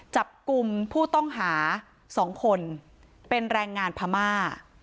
จับกลุ่มผู้ต้องหา๒คนเป็นแรงงานพม่า